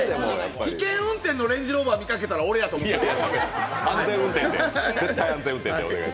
危険運転のレンジローバー見かけたら俺やと思ってください。